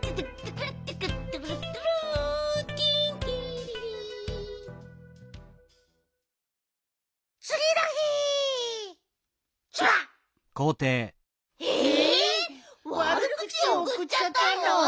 わるくちおくっちゃったの？